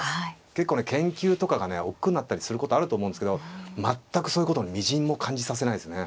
結構ね研究とかがねおっくうなったりすることあると思うんですけど全くそういうことをみじんも感じさせないですね。